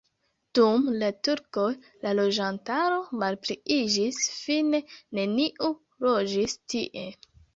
Dum la turkoj la loĝantaro malpliiĝis, fine neniu loĝis tie.